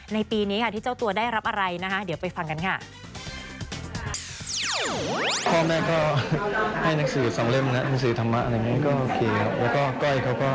ปีนี้ค่ะที่เจ้าตัวได้รับอะไรนะคะเดี๋ยวไปฟังกันค่ะ